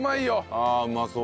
あっうまそう。